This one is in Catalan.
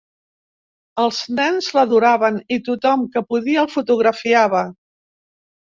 Els nens l'adoraven, i tothom que podia el fotografiava.